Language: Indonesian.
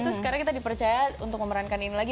terus sekarang kita dipercaya untuk memerankan ini lagi